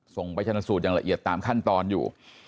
ไปชนสูตรอย่างละเอียดตามขั้นตอนอยู่